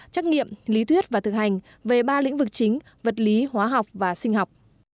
trắc nghiệm lý thuyết và thực hành về ba lĩnh vực chính vật lý hóa học và sinh học